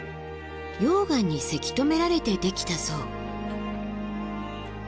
溶岩にせき止められてできたそう。